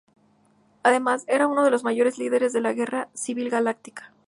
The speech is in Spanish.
Además, era uno de los mayores líderes de la Guerra Civil Galáctica.